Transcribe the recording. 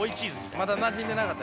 まだなじんでなかったですね。